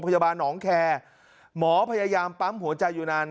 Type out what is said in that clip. โรงพยาบาลหนองแคร์หมอพยายามปั๊มหัวใจอยู่นาน